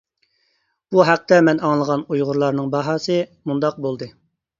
بۇ ھەقتە مەن ئاڭلىغان ئۇيغۇرلارنىڭ باھاسى مۇنداق بولدى.